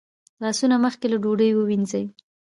لاسونه مخکې له ډوډۍ ووینځئ